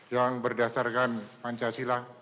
yang berdasarkan pancasila